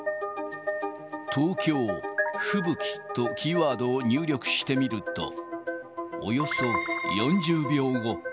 東京、吹雪とキーワードを入力してみると、およそ４０秒後。